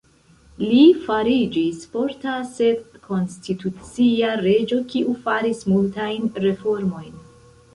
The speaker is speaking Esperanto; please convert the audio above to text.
Li fariĝis forta sed konstitucia reĝo kiu faris multajn reformojn.